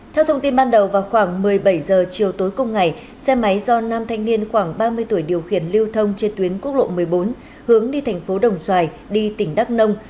theo thông tin ban đầu vào khoảng một mươi bảy h chiều tối cùng ngày xe máy do nam thanh niên khoảng ba mươi tuổi điều khiển lưu thông trên tuyến quốc lộ một mươi bốn hướng đi thành phố đồng xoài đi tỉnh đắk nông